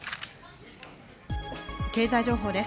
経済情報です。